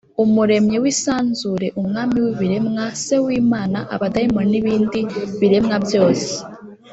umuremyi w’isanzure, umwami w’ibiremwa, se w’imana, abadayimoni n’ibindi biremwa byose